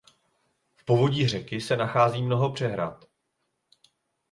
V povodí řeky se nachází mnoho přehrad.